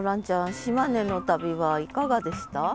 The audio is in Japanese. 島根の旅はいかがでした？